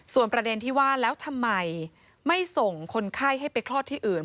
ส่วนประเด็นที่ว่าแล้วทำไมไม่ส่งคนไข้ให้ไปคลอดที่อื่น